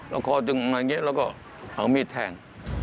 แล้วคอจึงมาอย่างนี้แล้วก็เอามีดแทง